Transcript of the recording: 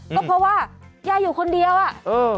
ก็เพราะว่ายายอยู่คนเดียวอ่ะเออ